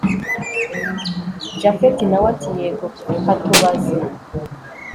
japhet nawe ati yego katubaze